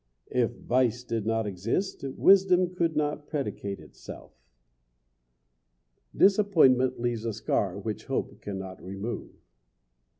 If vice did not exist wisdom could not predicate itself. Disappointment leaves a scar which hope cannot remove.